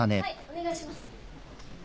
お願いします。